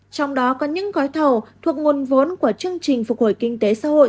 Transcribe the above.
trong đó có những gói thầu thuộc nguồn vốn của chương trình phục hồi kinh tế xã hội